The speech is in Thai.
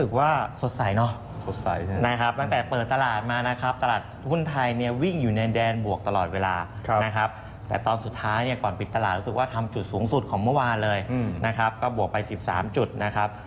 ก็เป็นยังไงบ้างครับพี่เอกตลาดหุ้นไทยเมื่อวานดูดีขนาดไหน